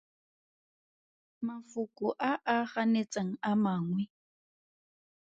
Mafoko a a ganetsang a mangwe.